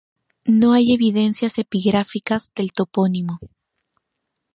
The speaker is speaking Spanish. No hay evidencias epigráficas del topónimo.